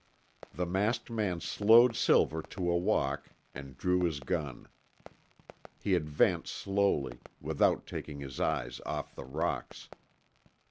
The masked man slowed Silver to a walk, and drew his gun. He advanced slowly, without taking his eyes off the rocks.